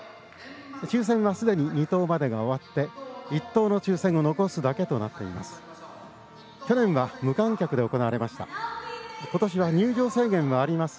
抽せんはすでに２等までが終わって１等の抽せんを残すだけとなっています。